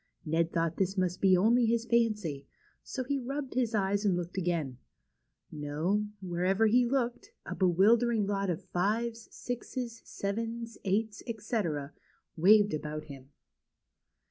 Ned thought this must be only his fancy, so he rubbed his eyes and looked again. No, wherever he looked, a bewildering lot of 5's, 6's, 7's, 8's, etc., waved about him.